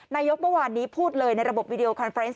นายกเมื่อวานนี้พูดเลยในระบบวิดีโอคอนเฟรนต